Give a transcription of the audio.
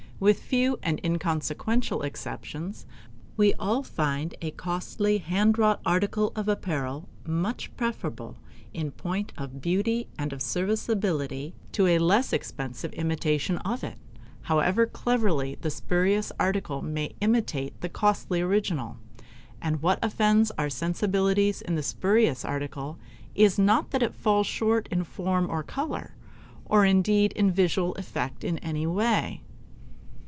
With few and inconsequential exceptions, we all find a costly hand wrought article of apparel much preferable, in point of beauty and of serviceability, to a less expensive imitation of it, however cleverly the spurious article may imitate the costly original; and what offends our sensibilities in the spurious article is not that it falls short in form or color, or, indeed, in visual effect in any way.